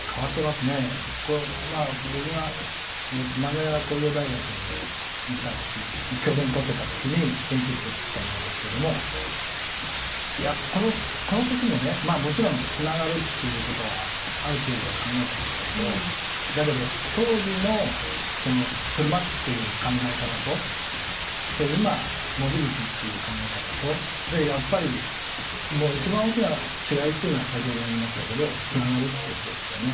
まあ僕が名古屋工業大学にいた時教べん執ってた時に研究室で作ったものですけどもこの時もねもちろんつながるっていうことはある程度は考えてましたけどだけど当時の車っていう考え方と今モビリティっていう考え方とやっぱりもう一番大きな違いっていうのは先ほども言いましたけどつながるってことですよね。